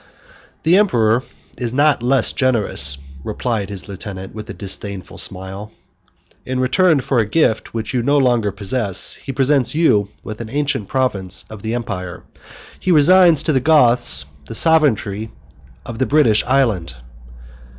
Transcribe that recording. "The emperor is not less generous," replied his lieutenant, with a disdainful smile, "in return for a gift which you no longer possess: he presents you with an ancient province of the empire; he resigns to the Goths the sovereignty of the British island."